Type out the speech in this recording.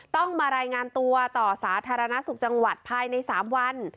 ต้องมารายงานตัวต่อสาธารณสุขจังหวัดภายใน๓วัน